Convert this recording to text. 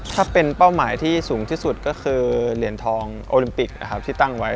ถ้าเป็นเป้าหมายที่สูงที่สุดก็คือเหรียญทองโอลิมปิกนะครับที่ตั้งไว้